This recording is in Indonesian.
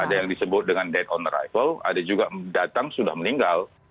ada yang disebut dengan dead on arrival ada juga datang sudah meninggal